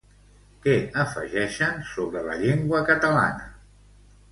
Què afegeixen sobre la llengua catalana?